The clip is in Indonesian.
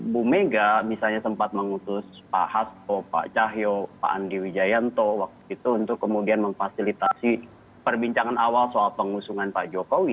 bu mega misalnya sempat mengutus pak hasto pak cahyo pak andi wijayanto waktu itu untuk kemudian memfasilitasi perbincangan awal soal pengusungan pak jokowi